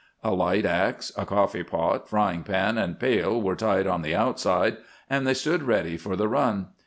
A light ax, a coffee pot, frying pan, and pail were tied on the outside, and they stood ready for the run.